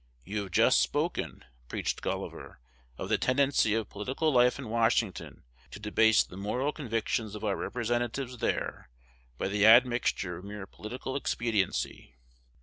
"You have just spoken," preached Gulliver, "of the tendency of political life in Washington to debase the moral convictions of our representatives there by the admixture of mere political expediency.